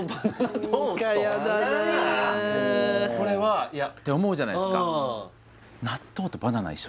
これは嫌って思うじゃないですか？